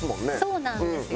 そうなんですよ。